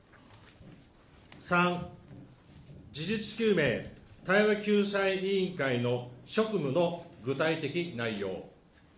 ３、事実究明・対話救済委員会の職務の具体的内容。